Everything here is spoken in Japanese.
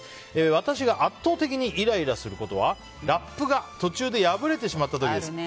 私が圧倒的にイライラすることはラップが途中で破れてしまった時です。